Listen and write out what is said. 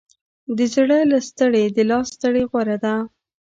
د زړه له ستړې، د لاس ستړې غوره ده.